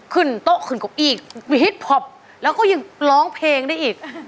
ขึ้นโต๊ะขึ้นเก้าอี้ฮิตพอปแล้วก็ยังร้องเพลงได้อีก